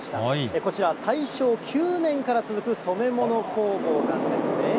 こちら、大正９年から続く染め物工房なんですね。